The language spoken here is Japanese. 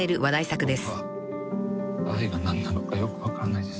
「僕は愛が何なのかよく分かんないです」